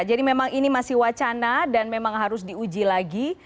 jadi memang ini masih wacana dan memang harus diuji lagi